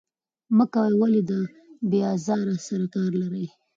مه کوئ، ولې له دې بې آزار سره کار لرئ.